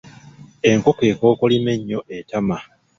Enkoko ekookolima ennyo etama.